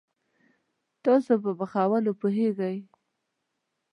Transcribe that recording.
تاسو په پخولوو پوهیږئ؟